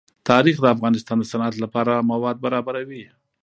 تاریخ د افغانستان د صنعت لپاره مواد برابروي.